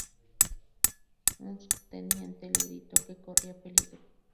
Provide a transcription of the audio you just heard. Un subteniente le gritó que corría peligro.